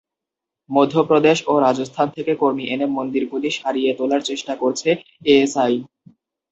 মধ্যপ্রদেশ ও রাজস্থান থেকে কর্মী এনে মন্দিরগুলি সারিয়ে তোলার চেষ্টা করছে এএসআই।